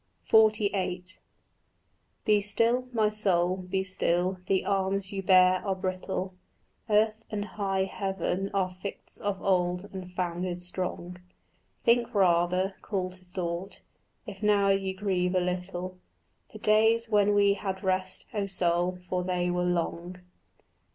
XLVIII Be still, my soul, be still; the arms you bear are brittle, Earth and high heaven are fixt of old and founded strong. Think rather, call to thought, if now you grieve a little, The days when we had rest, O soul, for they were long.